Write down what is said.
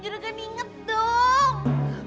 juragan inget dong